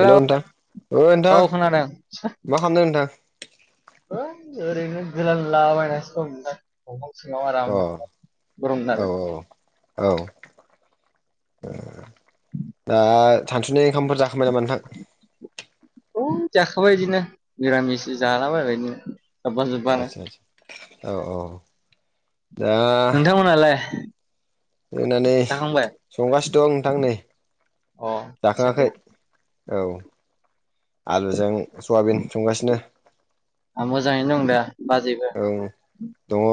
Hello नोंथां ओ नोंथां। औ खोनादों। मा खालामदों नोंथां? होय ओरैनो गोलांला बायनासो दं नोंथां। दंफां सिंङाव अ आराम औ गरमनानो औ ओ दा सानसुनि ओंखामफोर जाखांबाय नामा नोंथां? औ जाखाबाय इदिनो निरामिस सो जाला बायबायनो। आसा आसा औ औ। दा नोंथां मोनालाय? होननानै संगासिनो दं नोंथां नै अ जाखङाखै सोरबा औ आलुजों सवाबिन संगासिनो आं मोजाङैनो दं दे बाजैबो जौ दङ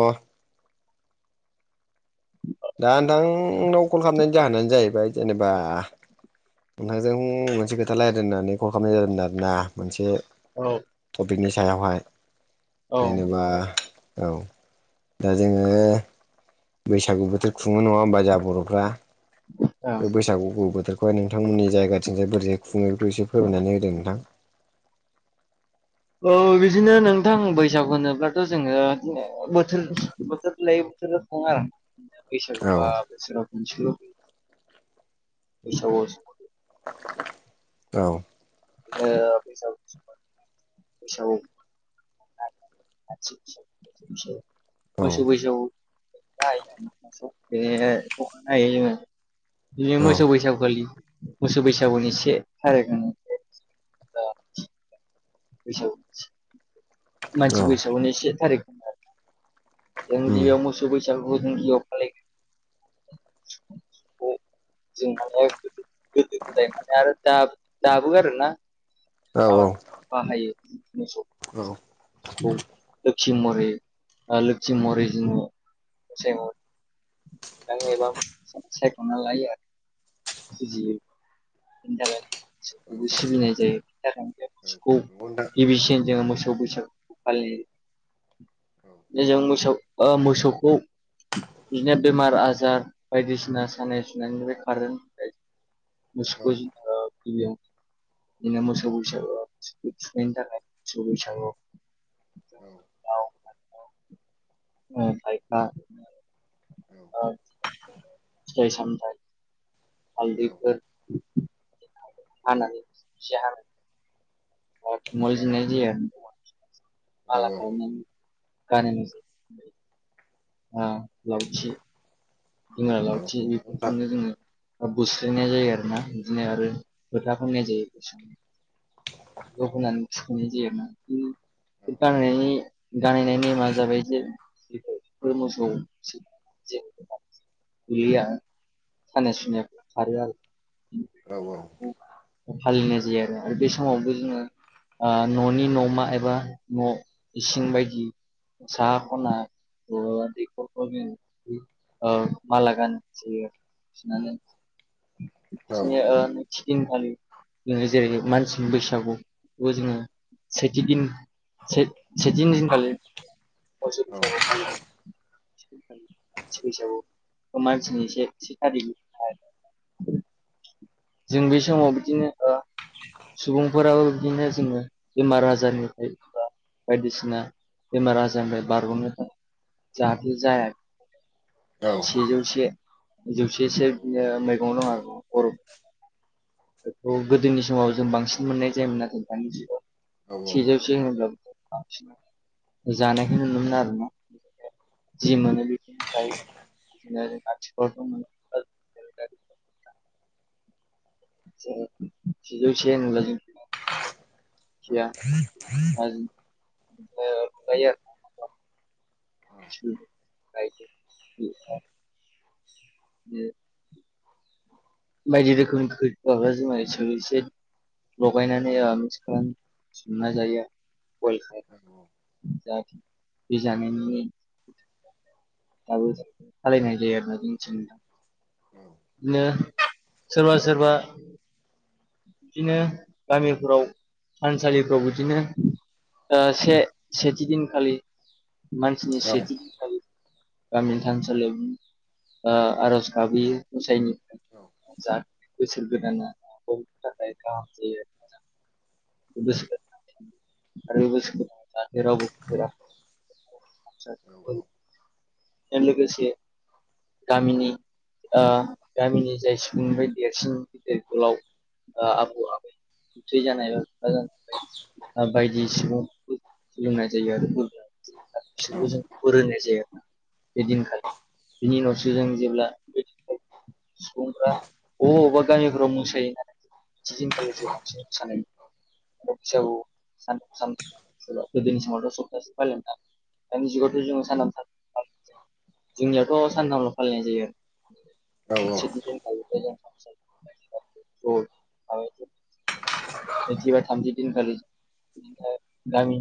दा नोंथांनाव कल खालामनायनि जाहोनानो जाहैबाय जेनेबा नोंथांजों मोनसे खोथा रायलायनो होननानै कल खालामनाय जादोंमोन आरोना मोनसे औ टपिकनि सायावहाय औ जेनेबा औ दा जोंङो बैसागु बोथोर खुङो नंङा होमबा जोंहा बर'फ्रा ओं बे बैसागु बोथोरखौ बे नोंथांमोननि जायगां जाय बैाय खुङो बेखौ एसे फोरमायनानै होददों नोंथां औ बिदिनो नोंथां बैसागु होनोब्लाथ' जोङो बोथोर बोथोर लायै बोथोर अहाय औ बैसागुवा बोसोराव खोमसेल बैसागु औ ए बैसागु समा बैसागु [inaudible] औ मोसौ बैसागो [unintelligible] बिदिनो औ मोसौ बैसागुखालि मोसौ बैसागुनि से थारिख होन दा बैसागु मानसि बैसागुनि से थारिख आरो उम जोंगियाव मोसौ बैसागुखौ जोंगियाव [unintelligible] जों माल गोदो गोदाय माने आरो दाबो आरो ना औ औ बाहायो मोसौ औ खौ महरै लोखि महरै जोंङो आं एबा सायखना लायो आरो जुजियो [unintelligible] खौ नंगौ नोंथां गिबिसिन जोंङो मोसौ बैसागु फालि जों मोसौ मोसौखौ बिदिनो बेमार आजार बायदिसिना सानाय सुनायनिफ्राय खारेन्ट औ औ [unintelligible] औ [unintelligible] बा [unintelligible] औ [unintelligible] सामथाय नंगौ हालदैफोर हानानै [unintelligible] खल नोंथां जनाय जाया औ माला खालामनानै ग जायो आ लावथि लावथि बेनो जोङो बुस्रायनाय जायो आरो ना बिदिनो आरो खोथा फनाय जायो बे ज होनानै सुखुंनाय जायो आरो ना गानायनाय नेमा जाबाय जे [unintelligible] सानाय सुनाया खारो आरो ना औ औ [unintelligible] समावबो जोंङो न'नि न'मा एबा न' इसिं बायदि सा खना [unintelligible] मला गानसे [unintelligible] [inaudible] [unintelligible] खदिनखालि जेरै मानसि बैसागु बेबो जोङो सेथि दिन से सेथिंं खालि मोसौ बैसागो फालियो बैसागु मानसिनि एसे [unintelligible] जों बे समाव बिदिनो ओ सुबुंफोराबो बिदिनो जोङो बेमार आजारनिफ्राय एबा बायदिसिना बेमार आजारनिफ्राय बारग'नो थाखाय जाहाथे जाया औ सेजौसे जौसेसो बियो मैगं दं आरो बर' बेखौ गोदोनि समाव जों बांसिन मोननाय जायोमोन नाथाय दानि जुगाव सेज [unintelligible] जानायखौाय नुनो आरो ना? जि मोनो बि जायो बिदिनो थिफोर दंो [unintelligible] सेजौ से [unintelligible] ग ाय [unintelligible] बायदि रोखोमनि खैबा जोंसे लगायनानै ओ मिक्स खालाम सुमना जायो बयल खालाम जाहाथे बे जानायनि दाबो सालायनाय जायो आरो ना जोंथिं औ बिदिनो सोरबा सोरबा बिदिनो गामिफ्राव थानसालिफ्राव बिदिनो ओ से सेथि दिनखालि मानसिनि सेथिन गामिनि थानसालियाव ओ आर'ज गाबहयो मोसायो जा बोसोर गोदाना हनि थाखाय गाहाम जायो। बेस आरो बे बस जै रावबोखौफोरा [unintelligible] [unintelligible] लोगोसे गामिनि ओ गामिनि जाय सुबुंनिफ्राय देरसिन गिदिर गोलाव ओ आबौ आबैथै जानाय एबा खु जानाय बायदिसिबां सोंनाय जायो आरो बिसोरबो जोंोंनाय जाया बेदिनखायो बिनि उनावसो जों जेब्ला बेदिखायो सुबुंफोरा अबावबा अबावबा गामि फोराव मोसानाय म स [unintelligible] म सुब फ [unintelligible] दानि जुगावथ' जोंङो सानथाम सान जोंनियावथ' सानथामल' फालिनाय जायो। नोंसोरनिथिं [unintelligible] सेथि बा थामथि दिनखालि अ गामि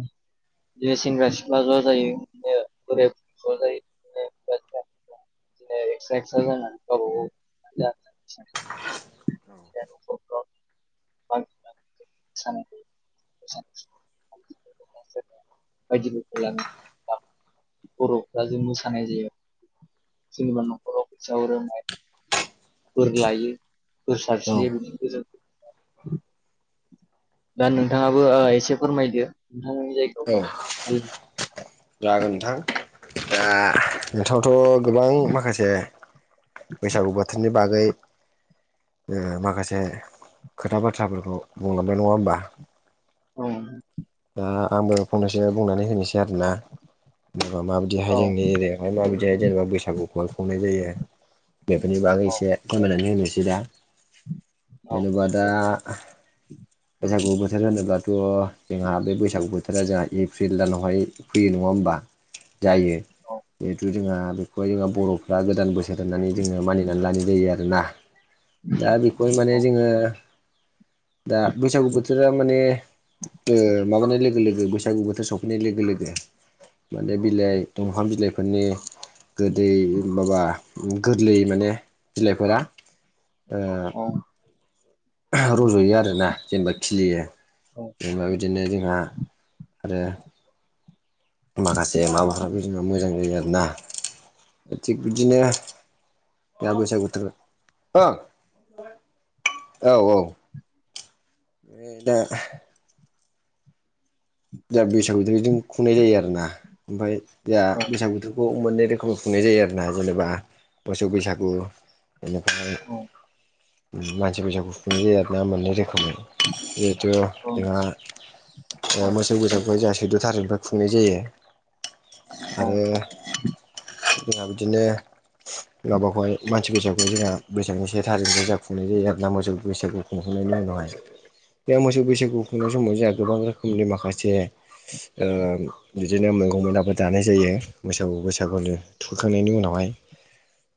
जे सेंग्रा सिख्ला ज' जायो ओ बोराय जायो [unintelligible] म [unintelligible] [unintelligible] जि [unintelligible] [unintelligible] स [unintelligible] ायदि बर' [unintelligible] दा जों मोसानाय जायो सोरनाबा न'खराव फैसा हरो माय बोर लायो बोर सारस्रियो बिदि गोजोन दा नोंथाङाबो ओ एसे फोरमायदो नोंथांनि जाय औ जागोन नोंथां दा नोंथांथ' गोबां माखासे बैसागु बोथोरनि बागै ओ माखासे खोथा बाथ्राफोरखौ बुंलांनाय नङा होमबा। औ। दा आंबो फंनैसो बुंनानै होनोसै आरोना। जेनेबा माबायदिहाय औ जोंनि एरियायावहाय माबायदिहाय जेनेबा बैसागुखौ खुंनाय जायो। बेफोरनि बागै एसे फोरमायनानै होनोसै दा। औ जेनेबा दा बैसागु बोथोर जानोबाथ' जोंहा बे बैसागु बोथोरा जोंहा एप्रिल दानावहाय फैयो नङा होमबा। जायो औ जिहेथु जोंहा बेखौहाय जोंहा बर'फ्रा गोदान बोस [unintelligible] होननानै जोङो मानिनानै लानाय जायो आरोना। दा बेखौहाय माने जोङो दा बैसागु बोथोरा माने ओ माबानाय लोगो-लोगो बैसागु बोथोर सफैनाय लोगो-लोगो माने बिलाइ दंफां बिलाइफोरनि गोदै माबा गोरलै माने बिलाइफोरा ओ अं। रज'यो आरोना जेनेबा खिलियो जेनेबा बिदिनो जोंहा आरो माखासे माबाफ्राबो बिदिनो मोजां जायो आरोना थिग बिदिनो दा बैसागु बोथोर ओं औ-औ। ओं दे। जा बैसाग बोथोर बिदिनो खुंनाय जायो आरोना ओमफाय जा औ बैसाग बोथोरखौ मोननै रोखोम खुंनाय जायो आरोना जेनेबा मोसौ बैसागु बेनिफ्राय मानसि फैसा खुुंनाय जायो आरो ना मोननै रो खोमै जिहतु जोंहा औ ओ मोस बैसागुखौहाय जोंहा सैद' थारिखनिफ्राय खुंनाय जायो औ आरो जोंहा बिदिनो गावबागावहाय मानसि बैसागु जोंहा बैसागुनि से थारिनिफ्राय जा खुंनाय जायो आर ना मोसौ बैसागु खुंखांनायनि उनावहाय बे मोसौ बैसागु खुंनाय समाव जोंहा गोबां रोखोमनि माखासे ओ बिदिनो मैगं मैलाबो जानाय जायो मैसागु बैसागुनि थुखांनायनि उनावहाय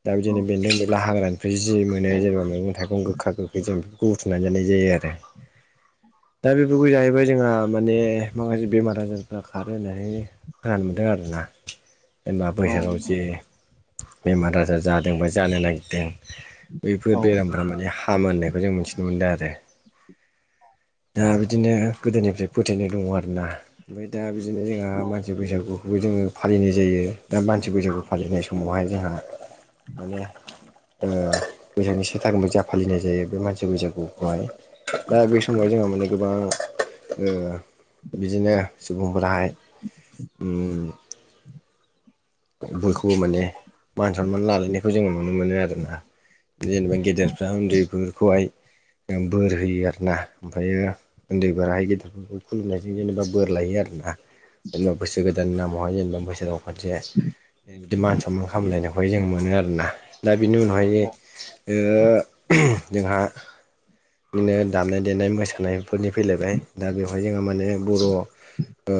दा औ बिदिनो बेन्दों बेनला हाग्रानि जि मोनो जोङो मैगं थाइगं गोखा गोखै जों बेखौ बुथुमनानै जानाय जायो आरो। दा बेफोरखौ जाहैबाय जोंहा माने माखासे बेमार आजारफ्रा खारो होननानै खोनानो मोनदों आरोना। जेनेबा औ बोसोराव जे बेमार आजार जादोंबा जानो नागिरदों औ बैफोर बेरामफोरा माने हामा होननायखौ जों मोनथि नो मोनदों आरोदा बिदिनो गोदोनिफ्राय फोथायनाय दङ आरोना। ओमफ्राय दा बिदिनो जोंहा मानसि बैसागुखौबो जोङो फालिनाय जायो दा मानसि बैसागु फालिनाय समावहाय जोंहा माने ओ बैसागनि सेथामबो जा फालिनाय जायो बे मानसि बैसागुखौहाय। दा बे समाव जोंहा माने गोबां बिदिनो सुबुंफोराहाय उम बयखौबो माने मान सनमान लालायनायखौ जोङो नुनो मोनो आरोना। जेनेबा गेदेरफ्रा उन्दैफोरखौहाय बोर होयो आर ना ओमफ्रायो उन्दै बोरा गेदेरफोरखौ खुलुमनायजों जेनेबा बोर लायो आरोना। जेनेबा बैसो गोदाननि नामावहाय जेनेबा बैसागाव खनसे बिदि मान सनमान खालामलायनायखौहाय जों मोनो आरोना। दा बेनि उनावहाय औ ओ जोंहा बिदिनो दामनाय देनाय मोसानाय फोरनि फैलायबाय दा बेवहाय जोंहा माने बर' ओ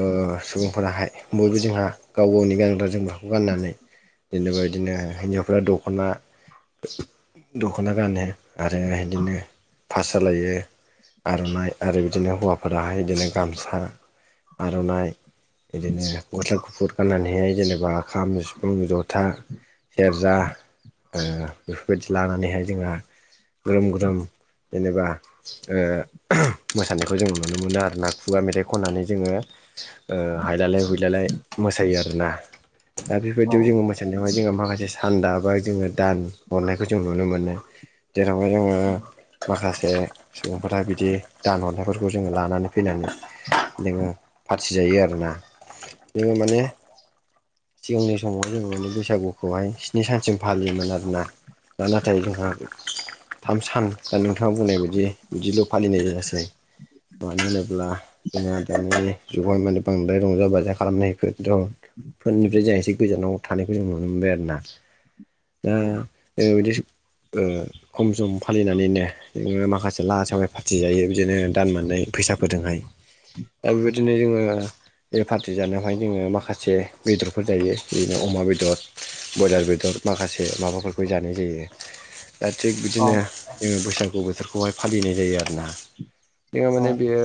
सुबुंफोराहाय बयबो जोंहा गाव गावनि गानग्रा जोमग्रा गाननानै जेनेबा बिदिनो हिन्जावफ्रा दख'ना दख'ना गानो आरो बिदिनो पास्रा लायो। आर'नाइ आरो बिदिनो हौवाफोराहाय बिदिनो गामसा। आर'नाइ बिदिनो गस्ला गुफुर गाननानैहाय जेनेबा खाम सिफुं जथा सेरजा बेफोरबायदि लानानैहाय जोंहा ग्रोम ग्रोम जेनेबा ओ मोसानायखौ जोङो नुनो मोनो आरो ना खुगा मेथाइ खननानै जोङो ओ हायलालाय हुइलालाय मोसायो आरोना। दा बेबायदियाव जोङो मोसानायावहाय जो माखासे सान दाबाय जोङो दान हरनायखौ जों नुनो मोनो जेरावहाय जोङो माखासे सुबुंफोरा बिदि दान हरनायफोरखौ जोङो लानानै फैनानै जनोङो फार्थि जायो आरोना जोङो माने। सिगांनि समाव जों माने बैसागुखौहाय स्नि सानसिम फालियोमोन आरोना। दा नाथाय जोंहा थाम सान दा नोंथाङा बुंनाय बायदि बिदिल' फालिनाय जायासै। मानो होनोब्ला जोंङो दानि जुगाव माने बांद्राय रंजा बाजा खालामनायफोर दं उ फोरनिफ्राय जों एसे गोजानाव थानायखौ जों नुनो मोनबाय आरो ना। दा ओबायदि ओ खम सम फालिनानैनो जों माखासे ला सबाय फार्टि जायो बिदिनो दान मोननाय फैसाफोरजोंहाय। दा बेबायदिनो जोङो बे पार्टि जानायावहाय जोङो माखासे बेदरफोर जायो बिदिनो अमा बेदर ब्रयलार बेदर माखासे माबाफोरखौ जानाय जायो। दा थिग औ बिदिनो जोङो बैसागु बोथोरखौहाय फालिनाय जायो आरोना। ङो माने बेयो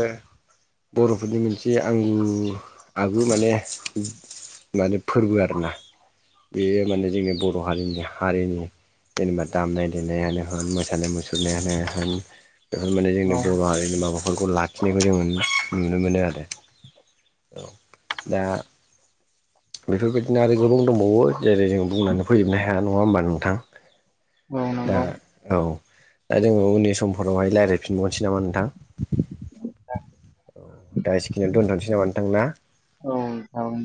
बर'फोरनि मोनसे आंगो आगु माने माने फोरबो आरोना। बेयो माने जोंनि बर' हारिनिनो हारिमु। जेनेबा दामनाय देनायानो होन मोसानाय मुसुरनायानो होन। बेफोर माने औ जोंनि बर' हारिनि माबाखौ नफोरखौ लाखिनायबो जों नुनो मोनो आरो औ दा। बेफोरबायदिनो आरो गोबां दंबावो जेरै जों बुंनानै फोजोबनो हाया नङा होमबा नोंथां? औ दा नंगौ औ दा जोङो उननि समफोरावहाय रायज्लायफिनबावनोसै नामा नोंथां। दा सखिनियावनो दोनथ'नोसै नामा नोंथां ना। औ नोंथां।